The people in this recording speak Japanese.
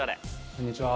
こんにちは。